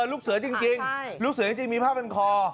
ลูกเสือจริงลูกเสือจริงมีผ้าพันคอ